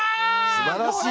すばらしいです。